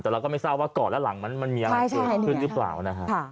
แต่แล้วก็ไม่เศร้าว่าก่อนและหลังมันมีอะไรขึ้นหรือยังเปล่านะฮะ